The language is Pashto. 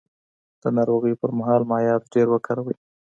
د ناروغۍ پر مهال مایعات ډېر وکاروئ.